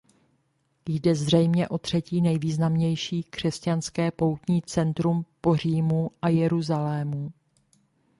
Jde zřejmě o třetí nejvýznamnější křesťanské poutní centrum po Římu a Jeruzalému.